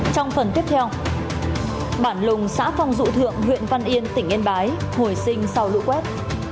trong phần tiếp theo bản lùng xã phong dụ thượng huyện văn yên tỉnh yên bái hồi sinh sau lũ quét